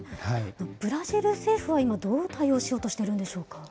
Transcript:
ブラジル政府は今、どう対応しようとしてるんでしょうか。